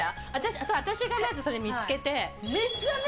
私がまずそれを見つけて。